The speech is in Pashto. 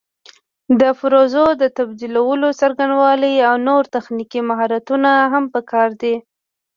د پرزو د تبدیلولو څرنګوالي او نور تخنیکي مهارتونه هم پکار دي.